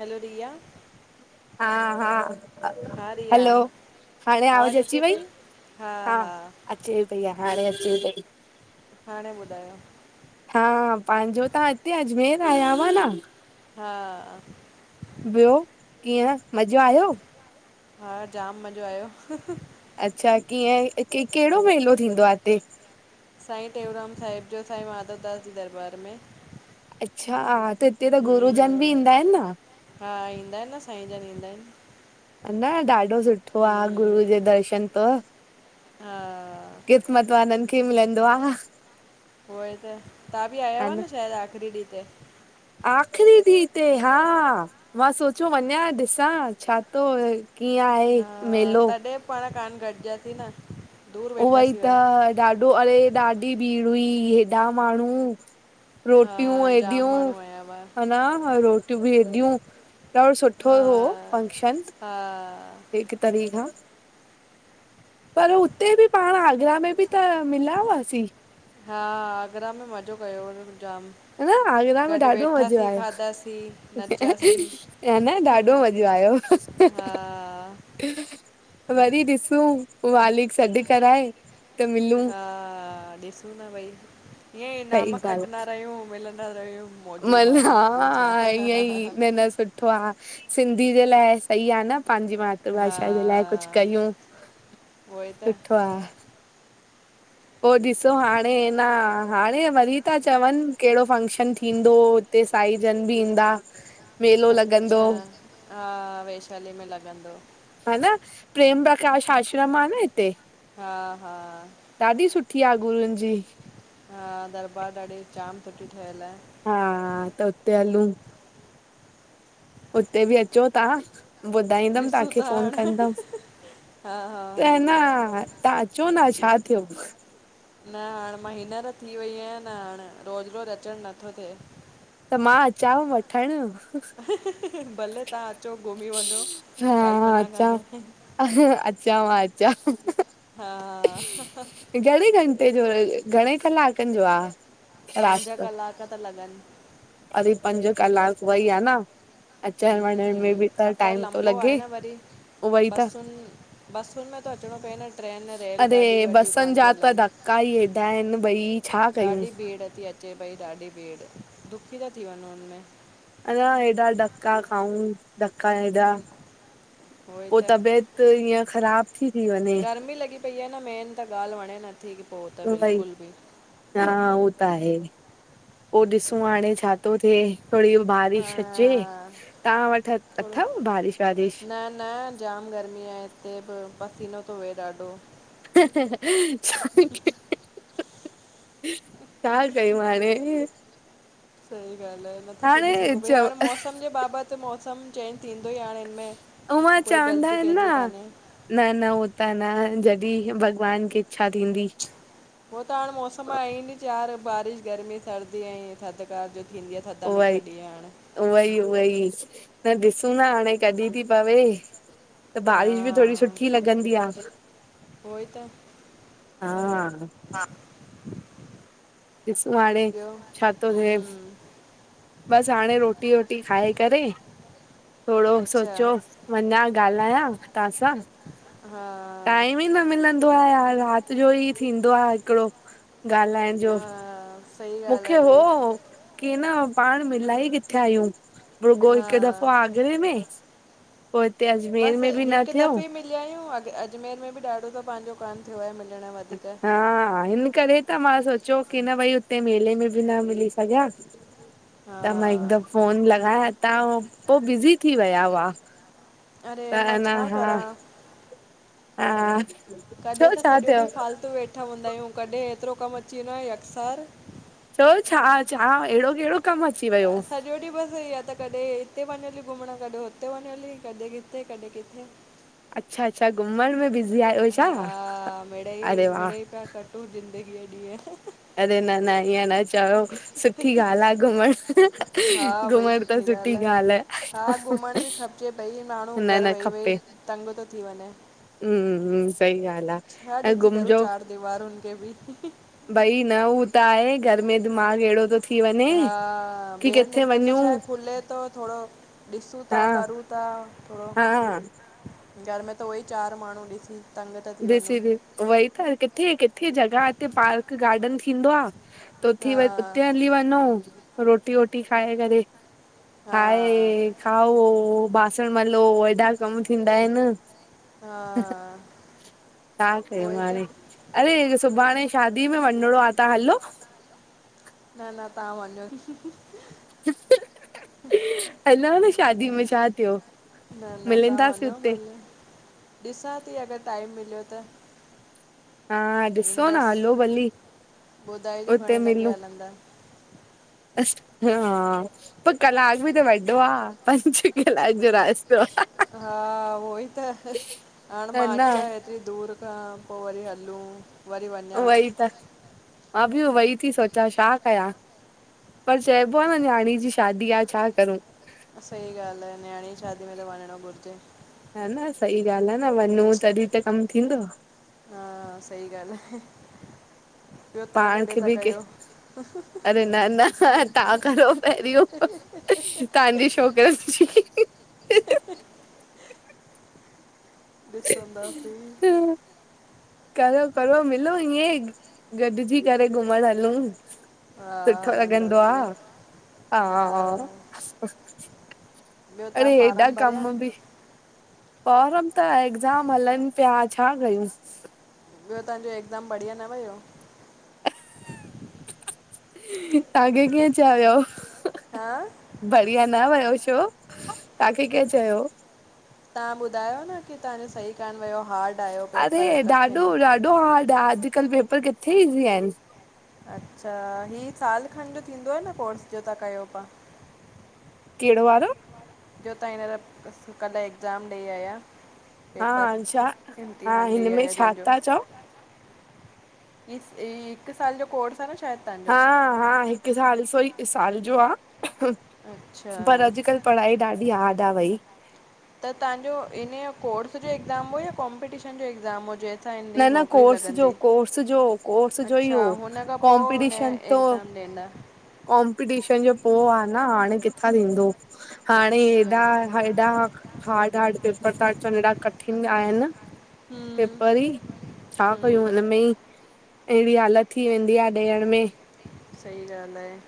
हलो, रिया। हा हा, हा रिया हलो। हाणे आवाज़ आवाज़ु अचे अची वई? पई हा, अचे पई हाणे अचे पई। हाणे ॿुधायो। हा, पांजो तां हिते अजमेर आया हव न? हा। ॿियो, कीअं मज़ो आयो? हा, जाम मज़ो आयो। अच्छा, कीअं, केहिड़ो मेलो थींदो आ हिते। साईं टेऊराम साहिब जो, साईं माधवदास जी दरबार में। अच्छा, हा त हिते त गुरुजन हम्म बि ईंदा इनि न? हा, ईंदा इनि न, साईं जन ईंदा इनि। न, ॾाढो सुठो आ, हम्म गुरूअ जो दर्शन त। हा। क़िस्मत वारनि खें मिलंदो आ हा। ऊओई त, तव्हां बि आया हुयव न शायद आख़िरी ॾींहं ते? आख़िरी ॾीह ते हा, मां सोचियो वञां ॾिसां छा तो किअं आहे। हा, मेलो तंॾहिं पाण कान ॻॾिजासिं न। दूरि ऊओई वेठासीं त, हुआ ॾाढो अड़े ॾाढी भीड़ हुई, हेॾा माण्हूं हा रोटियूं जाम हेॾियूं, माण्हू आया हुआ हान रोट वीडियूं, ॾाढो सुठो हा हो, फंक्शन। हा हिकु तरीखा, पर उत् हुते बी पाण, आगरा में बि त मिलिया हुआसीं। हा, आगरा में मज़ो कयो हो हुननि जाम। ह न आगरा में ॻॾु ॾाढो मज़ो वेठासीं, आयो खाधासीं, नचासीं। ह न ॾाढो मज़ो आयो हा। वरी ॾिसूं मालिक सॾु कराए। त मिलूं हा, ॾिसूं न भई, ईअं ई सही इनाम खटंदा रहियूं मिलंदा रहियूं। मौजू माण्हू ॿियो छा मलहा, ईअं ई, न न सुठ वाह! सिंधी जे लाइ सही आ न पांजि त्र हा भाषा जे लाए कुछ कयूं उहो ई त सुठो आ। पो ॾिसो हाणे अ न हाणे वरी था चवंन केड़ो फंक्शन भी थींदो हुते साई जन बि ईंदा। मेलो लॻंदो अच्छा हा वैशाली में लॻंदो। हा न प्रेम प्रकाश आश्रम आ न हिते। हा हा ॾाढी सुठी आ गुरून जी। हा दरबार ॾाढी जाम सुठी ठयल आहे। हा त उते हलूं। उते बि अचो तां। ॿुधाईंदम ॾिसूं तव्हांखे था फोन हाणे कंदम हा त हा हन तव्हां चो न छा थियो? न हाण मां हिनर थी वई आहियां न हाणे रोज़ रोज़ अचण नथो थिए। त मां अचांव वठण? भले तव्हां अचो घुमी वञो काई मना कान्हे। अच्चा मां अच्चा। हा घणे घंटे जो घणे कलाकन जो आ। पंज रास्तो कलाक ता लॻन। अरे पंज कलाक वई आ न अचण वञण में बि त सफ़रु टाइम तो लंबो आहे लॻे न उवई त बसुन में तो अचणो पए न ट्रेन रेलगाॾियूं वाॾियूं कोन थियूं हलन त काई हेडा आहिन भई। छा कयूं ॾाढी भीड़ थी अचे पई ॾाढी भीड़ दुखी था थी वञ हुनमें। अञा हेॾा धका खाऊं धका हेॾा उहो ई पो त तबियत त ईअं ख़राब थी थी वञे गर्मी लॻी पई आहे न मेन त ॻाल्हि वणे नथी की पो त उहोई बिल्कुल भी। हा उहो त आहे पो ॾिसूं हाणे छा थो थिए। थोड़ी इहो हा बारिश अचे तव्हां वट थोरो अथव बारिश वारिश? न न जाम गर्मी आहे हिते ब पसीनो थो वए ॾाढो। [unintelligible] छा कयूं हाणे। सही ॻाल्ह आहे नथो हाणे पुॾी सघूं भाई चव हाणे मौसम जे बाबत मौसम चेंज थींदो ई आहे। उहा चवंदा आहिन ना। कान्हे न न हो त न जॾहिं भॻवान खे इच्छा थींदी। हो त हाण मौसम आहे नी चार बारिश गर्मी सर्दी ऐं थधकार जो थींदी आहे। थदा मिठा ॾीय हाड़। उहई उहई त ॾिसूं ना हाणे कॾी ती पवे? त हा बारिश बि थोड़ी सुठी लॻंदी आ उहो हा। हा ॾिसूं हाणे छा थो थे। हम्म बस हाणे रोटी वोटी खाई करें। थोड़ो अच्छा सोचयो वञा ॻाल्हायां तव्हांसां। हा टाइम ई न मिलंदो आ, राति जो ही थींदो आ हिकिड़ो ॻाल्हायणि हो, हा सही ॻाल्हि मुंखे आहे हो भई के न पाण मिलाई किथे आहियूं, रूॻो हिकु हा दफ़ो आगरे में पो हिते अजमेर में बि ना थियो। थी आहियूं अ अजमेर में बि ॾाढो त पांजो काने थियो आहे मिलण वार हा हिन करे। त मां सोचियो की न भाई, हुते मेले में बि न मिली सघियां, हा त मां हिकु द फ़ोन लॻाया त पो बिज़ी थी विया हुआ अरे त ह मां न छा हा करां हा कॾहिं छो त छा सॼो थियो ॾींहु फालतू वेठा हूंदा आहियूं, कॾहिं एतरो कमु अची वेंदो आहे अकसर चओ छा, छा अड़ो केड़ो कमु अची वियो? सॼो ॾींहु बसि या त कॾे हिते वञ, हली घुमणु कॾे हुते वञ, हली कॾी किथे, कॾी किथे अच्छा- अच्छा घुमण में बिज़ी आयो छा? हा अरे! वाह ऐं ज़िदगी ॾिंहु अ ह ह अरे, न न ईयं ना हे चओ सुठी ॻाल्हि आ घुमण, खिलण जी आवाज़ घुमण त सुठी ॻाल्हि आहे। हा घुमण ॿि खपॼे भई माण्हूं न घरु वेही वेही तंग थो थी वञे। हंम्म सही ॻाल्हि आ, छा ऐं ॾिसी करूं घुमजो चारि दीवारुनि खे बि भई न हूं त आहे घर में दिमाग़ हेॾो थो थी वञे हा की ॿियो किथे निकिल त वञूं छाहे खुले तो थोरो हा ॾिंसूतां करूं ता थोरो हा घरु में त उहो ई चार माण्हूं ॾिसी तंग था थी वञूं ॾिसीदी् वई त किथे -किथे जॻह हिते पार्क गार्डन थींदो आ त उथी हा वर् उते हली वञो रोटी वोटी खाए करे, हा ठाहे खाओ बासण मलो हेॾा कमु थींदा हिनि हाअ तां खे मारी, अरे! सुभाणे शादी में वञिणो आ तां हलो न न तां वञो खिलण जी आवाज़ ही, ह, हलऊं न शादी में छा थियो? न न तां मिलंदासीं वञो हुते भले ॾिसां थी, अगरि टाइम मिलियो त हा ॾिसो न हलो ईंदसि भली, ॿुधाइजो हुते घणे लॻे मिलूं हलंदा अस् हा पो कलाॅक बि त वॾो आ, पंॼ कलाॅक जो रास्तो आ हा वई त हाणे ह मां न अचा एतिरी दूर खां पो वरी हलूं वरी वञा वइ त, मां बि वई थी सोचां छा कयां? पर चइॿो आ, न नियाणी जी शादी आ छा करूं। सही ॻाल्हि आ, न्याणी जी शादी में त वञिणो घुरिॼें हन सही ॻाल्हि आ न वञूं तॾहिं त कमु थींदो। हा सही गाल्हि आहे ॿियो तव्हां पाण कॾहिं खें था बि के कयो अरे न न, तां करो पहिरीयो तहांजी छोक [unintelligible] ॾिसदांसी करो करो मिलूं इंदी, गॾिजी करे घुमण हलूं हा सुठो लॻंदो हलंदासीं आ, हा ॿियो तव्हां अड़े हेॾा फारम भरिया कम भी ॿारन त एगज़ाम हलनि पिया छा कयूंस? ॿियो तहांजो एगज़ाम बढ़िया न वयो? तव्हांखे कें चयो? हा? बढ़िया न वयो शो? ताखे कें चयो? तां ॿुधायो न कि ताजों सही कान वयो हा्डॅ आयो पेपर कठिन एॾो हार्ड आ, अॼुकल्ह पेपर किथे ईज़ी आहिनि अच्छा, ही साल खनि जो थींदो आ न कोर्स जो तव्हां कयो पिया? कहिड़ो वारो? जो तव्हां हींञर कल्ह एगज़ाम ॾेई आया? हा पेपर, छा हा इम्तिहान ॾेई हिनमें आया छा जंहिंजो था चओ इ हिकु साल जो कोर्स आ न शायदि? हा तव्हांजो हा, हिकु साल सो हिक साल जो आ अच्छा पर अॼुकल्ह पढ़ाई ॾाढी हार्ड आ भई त तव्हांजो इनयो कोर्स जो एगज़ाम हो या कॉम्पिटीशन जो एगज़ाम हुजे? असां हिन न जी न नौकिरी कोर्स जो लॻंदी, कोर्स जो कोर्स जो ई अच्छा, हो हुन खां पो हुन एगज़ाम ॾींदा? कॉम्पिटीशन जो पो आं न, हाणे किथां थींदो? हाणे अच्छा हेॾा हेॾा हार्ड -हार्ड पेपर तां अचिन, हेॾा कठिन आया आहिनि हम्म पेपरी ई, छा कयूं हम्म, हिनमें ई? एहिड़ी हालत थी वेंदी आ, ॾियण में। सही ॻाल्हि आहे,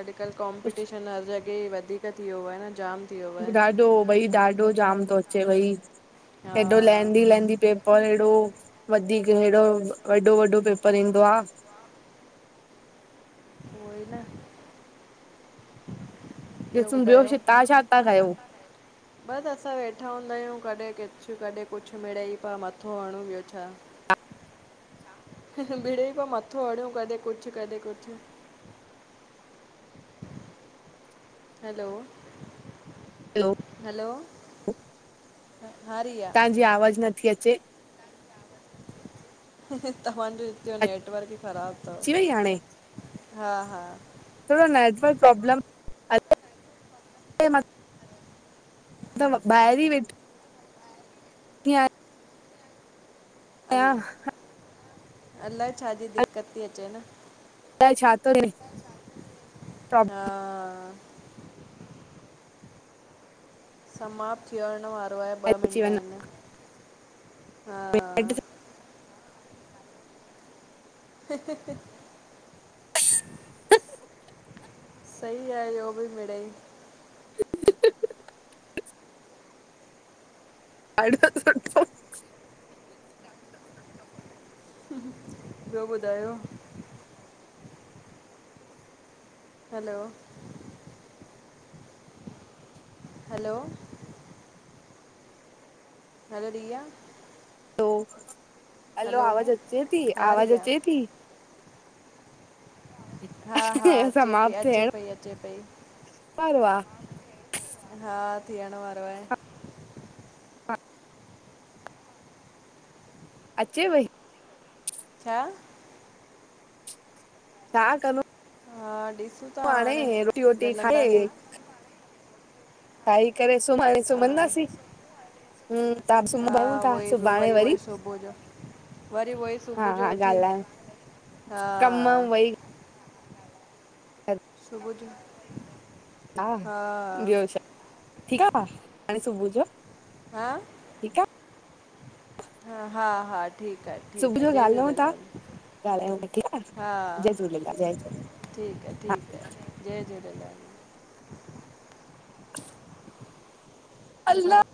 अॼुकल्ह कॉम्पिटीशन हर जॻह वधीक थी वियो आहे न जाम? थी वियो आहे। ॾाढो भई ॾाढो जाम तो अचे भई। हा हेॾो लैदीं लैदीं पेपर हेॾो। वधीक हेड़ो वॾो वॾो पेपर ईंदो आं। उहोई न ॾिसूं ॿियो, तां छा था कयो? बसि असां वेठा हूंदा आहियूं। कॾहिं कुछु- कॾहिं कुछु मिड़े ई पिया मथो हणूं ॿियो छा? हा मिड़ई प्या मत्थों हड़ू, कॾहि कुछ कॾहि कुछ। हलो हलो हलो, हा रिया जीं आवाज नथी अचे। चे तव्हांजो हिते जों नेटवर्क ई ख़राब अची वई हाणे? थोरो नेटवर्क प्रॉब्लम अलाए मां त, ॿाहिर ई वेठ अल, आहियां अलाए छाजी दिक्कत थी अचे न? अलाए छातों थे? हा समाप्त थियणु वारो आहे ॿ अची मिंट आहिन, हा। वञे हि-हि। [unintelligible] सही आ ईयो बि मिड़ेई। [inaudible] अिस सु [unintelligible] ॿियो ॿुधायो? Hello? Hello? Hello Riya? Hello, आवाज़ अची थी, हा आवाज रिया अची थी? हा हा असां अचे पई माप अचे थण [unintelligible] पई अचे पई। [unintelligible] ॿरवा [unintelligible] हा, थियण वारो आहे। अचे पई? छा? छा करणो? [unintelligible] हा, ॾिसूंता हाणे, रोटी वोटी मिलंंदासीं। खाए खाई करे हा सुम्हंदासीं। हूं त सुम्हूं हा, था उअई ॿियो सुभाणे वरी, उअई सुबुह जो। वरी उहई हा सुबुह जो हा उथी, ॻाल्हायूं हा। कम हन। [inaudible] कु [inaudible] हा। ॿियो छा? ठीकु आह? हाणे सुबुह जो। हां? ठीकु आ हा हा, हा ठीकु आ, ठीकु आ, जय झूलेलाल ॻाल्हायुं तां, ठीकु आ, हा जय झूलेलाल जय, झूलेलाल, ठीकु आहे हा ठीकु आहे जय झूलेलाल [inaudible] अलाह [unintelligible]